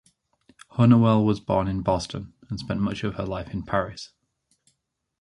Hunnewell was born in Boston and spent much of her life in Paris.